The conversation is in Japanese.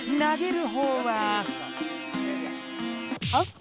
あっ。